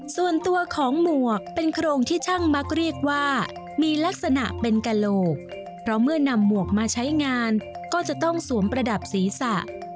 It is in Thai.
ส่วนตัวของหมวกเป็นโครงที่ช่างมักเรียกว่ามีลักษณะเป็นกระโหลกเพราะเมื่อนำหมวกมาใช้งานก็จะต้องสวมประดับศีรษะ